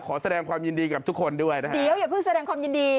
ขอแสดงความยินดีกับทุกคนด้วยนะครับเดี๋ยวอย่าเพิ่งแสดงความยินดี